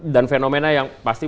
dan fenomena yang pasti